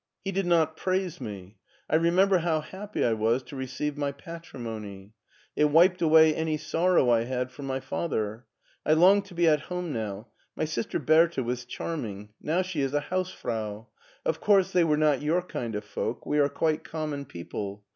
He did not praise me. I remember how happy I was to receive my patrimony. It wiped away any sorrow I had for my father. I long to be at home now. My sister Bertha was charming : now she is a house frau. Of course they were not 3rour kind of folk ; we are quite common people.